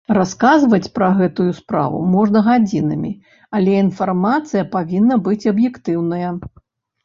Расказваць пра гэтую справу можна гадзінамі, але інфармацыя павінна быць аб'ектыўная.